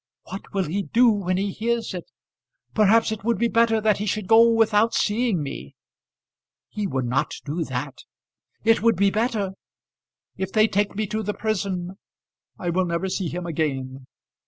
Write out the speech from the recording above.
What will he do when he hears it? Perhaps it would be better that he should go without seeing me." "He would not do that." "It would be better. If they take me to the prison, I will never see him again.